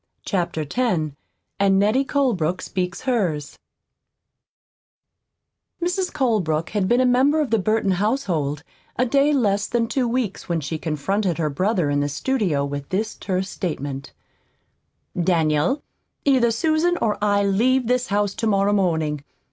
CHAPTER X AND NETTIE COLEBROOK SPEAKS HERS Mrs. Colebrook had been a member of the Burton household a day less than two weeks when she confronted her brother in the studio with this terse statement: "Daniel, either Susan or I leave this house tomorrow morning.